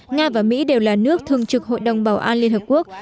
nga và mỹ đều là nước thường trực hội đồng bảo an liên hợp quốc